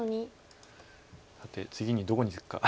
さて次にどこにするか。